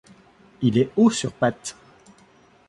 Il est haut sur pattes.